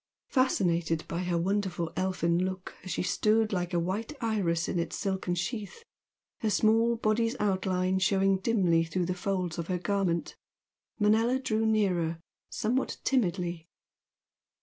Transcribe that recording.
Fascinated by her wonderful elfin look as she stood like a white iris in its silken sheath, her small body's outline showing dimly through the folds of her garment, Manella drew nearer, somewhat timidly.